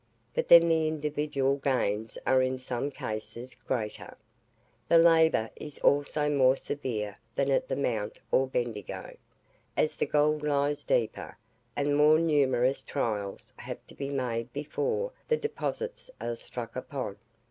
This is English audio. But then the individual gains are in some cases greater. The labour is also more severe than at the Mount or Bendigo, as the gold lies deeper, and more numerous trials have to be made before the deposits are struck upon.